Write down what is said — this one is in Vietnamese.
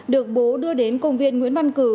được bố đưa đến công viên nguyễn văn cử